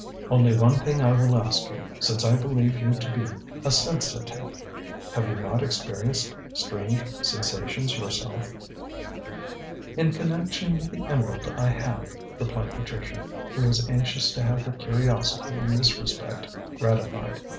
"Only one thing I will ask you, since I believe you to be a sensitive. Have you not experienced strange sensations yourself?" "In connection with the emerald I have," replied Patricia, who was anxious to have her curiosity in this respect gratified.